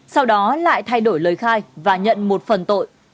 sau đó lại thay đổi lời khai và nhận một phần tội